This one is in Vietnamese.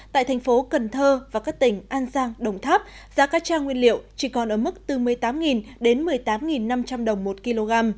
tại thành phố cần thơ và các tỉnh an giang đồng tháp giá cá tra nguyên liệu chỉ còn ở mức từ một mươi tám đến một mươi tám năm trăm linh đồng một kg